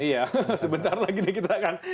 iya sebentar lagi nih kita akan